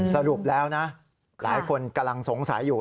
สรุปแล้วนะหลายคนกำลังสงสัยอยู่